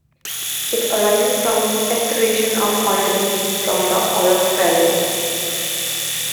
It arises from aspiration of organisms from the oropharynx.